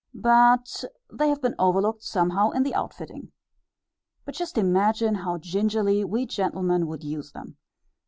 But they have been overlooked somehow in the outfitting. But just imagine how gingerly we gentlemen would use them!